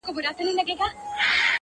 اوسېدله دوه ماران يوه ځنگله كي-